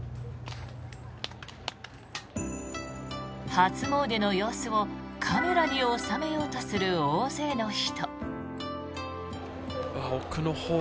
初詣の様子をカメラに収めようとする大勢の人。